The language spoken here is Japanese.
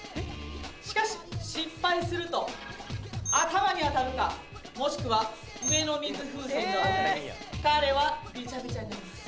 しかし失敗すると頭に当たるかもしくは上の水風船に当たり彼はビチャビチャになります。